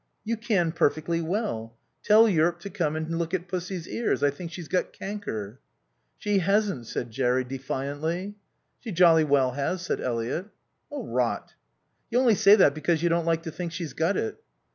"You can perfectly well. Tell Yearp to come and look at Pussy's ears, I think she's got canker." "She hasn't," said Jerry defiantly. "She jolly well has," said Eliot. "Rot." "You only say that because you don't like to think she's got it."